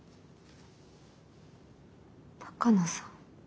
鷹野さん。